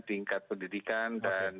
tingkat pendidikan dan